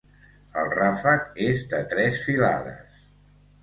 El ràfec és de tres filades.